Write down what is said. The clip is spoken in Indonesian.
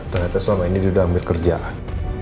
ternyata selama ini dia udah ambil kerjaan